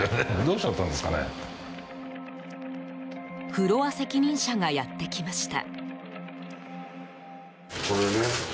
フロア責任者がやってきました。